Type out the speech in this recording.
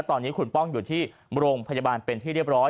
ตอนนี้คุณป้องอยู่ที่โรงพยาบาลเป็นที่เรียบร้อย